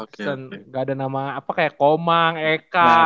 dan gak ada nama apa kayak komang eka